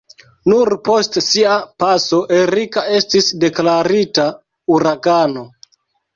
Nur post sia paso Erika estis deklarita uragano.